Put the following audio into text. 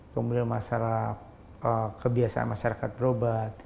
kemudian kebiasaan masyarakat berobat